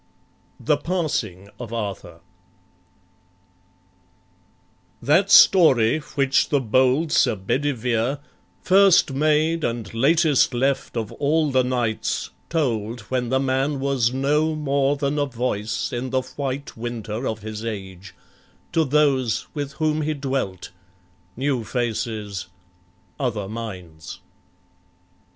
THE PASSING OF ARTHUR That story which the bold Sir Bedivere, First made and latest left of all the knights, Told, when the man was no more than a voice In the white winter of his age, to those With whom he dwelt, new faces, other minds.